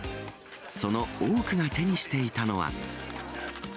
その多くが手にしていたのは。